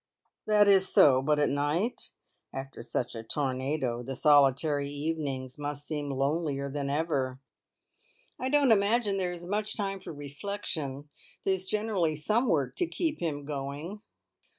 "That is so. But at night? After such a tornado the solitary evenings must seem lonelier than ever." "I don't imagine there is much time for reflection. There is generally some work to keep him going.